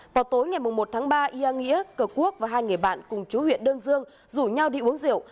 vào tối ngày một tháng ba ia nghĩa cờ quốc và hai người bạn cùng chú huyện đơn dương rủ nhau đi uống rượu